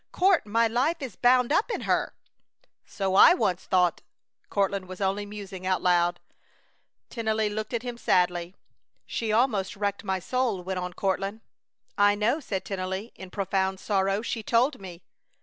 "Court, my life is bound up in her!" "So I once thought!" Courtland was only musing out loud. Tennelly looked at him sadly. "She almost wrecked my soul!" went on Courtland. "I know," said Tennelly, in profound sorrow. "She told me."